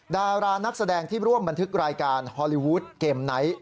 ดารานักแสดงที่ร่วมบันทึกรายการฮอลลีวูดเกมไนท์